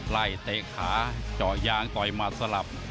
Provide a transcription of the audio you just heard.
ไล่เตะขาจอกยางต่อยมัดสลับ